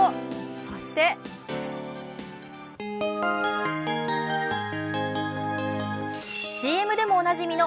そして ＣＭ でもおなじみの